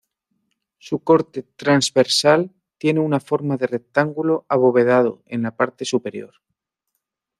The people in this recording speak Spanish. Su corte transversal tiene una forma de rectángulo abovedado en la parte superior.